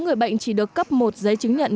người bệnh chỉ được cấp một giấy chứng nhận